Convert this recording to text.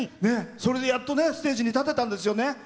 それでやっとねステージに立てたんですよね。